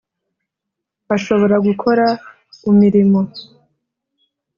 ashobora gukora umirimo.